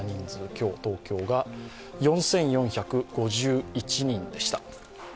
今日、東京が４４５１人でした。